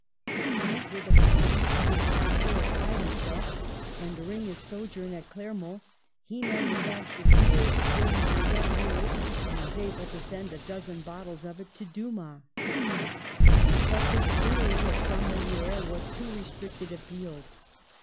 These were the problems to which Pasteur ap plied himself, and during his sojourn at Cler mont he manufactured beer according to his own rules, and was able to send a dozen bottles of it to Dumas ! But the brewery at Chamelieres was too re stricted a field.